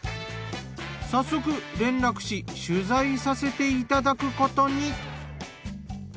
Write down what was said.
早速連絡し取材させていただくことに。